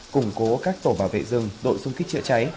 củng cố các tổ bảo vệ rừng đội xung kích triệu cháy